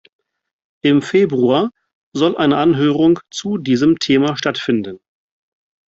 Im Februar soll eine Anhörung zu diesem Thema stattfinden.